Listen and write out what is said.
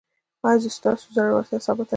ایا ستاسو زړورتیا ثابته نه شوه؟